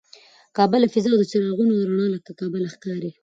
کعبه له فضا د څراغونو او رڼا له کبله ښکاري.